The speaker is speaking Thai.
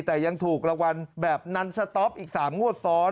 แต่ยังถูกรางวัลแบบนันสต๊อปอีก๓งวดซ้อน